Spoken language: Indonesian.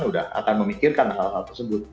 sudah akan memikirkan hal hal tersebut